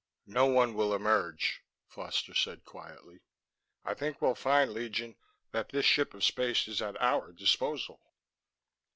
"No one will emerge," Foster said quietly. "I think we'll find, Legion, that this ship of space is at our disposal."